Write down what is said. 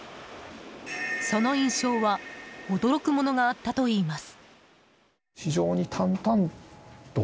その印象は驚くものがあったといいます。